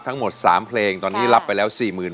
ทั้งหมดสามเพลงตอนนี้รับไปแล้วสี่หมื่น